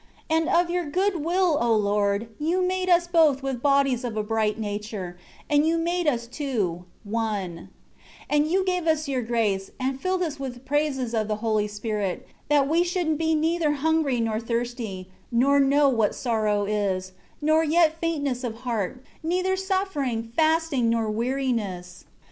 16 And of Your goodwill, O Lord, You made us both with bodies of a bright nature, and You made us two, one; and You gave us Your grace, and filled us with praises of the Holy Spirit; that we should be neither hungry nor thirsty, nor know what sorrow is, nor yet faintness of heart; neither suffering, fasting nor weariness.